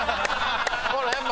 ほらやっぱ。